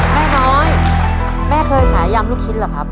แม่น้อยแม่เคยขายยำลูกชิ้นเหรอครับ